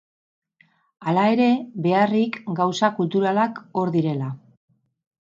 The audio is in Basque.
Hala ere, beharrik gauza kulturalak hor direla.